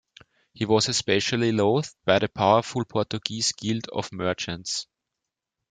He was especially loathed by the powerful Portuguese guild of merchants.